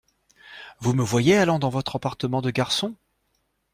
Vous me voyez allant dans votre appartement de garçon.